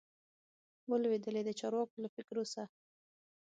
وه لوېدلي د چارواکو له فکرو سه